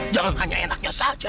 jangan hanya enaknya saja